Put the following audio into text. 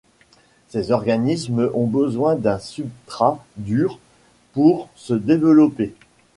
Ces organismes ont besoin d'un substrat dur pour se développer.